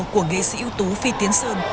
của nghệ sĩ ưu tú phi tiến sơn